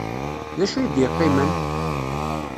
D acu ay d-yeqqimen?